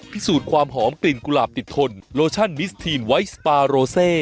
พิสูจน์ความหอมกลิ่นกุหลาบติดทนโลชั่นมิสทีนไวท์สปาโรเซ